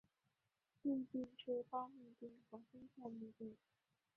嘧啶是胞嘧啶和胸腺嘧啶。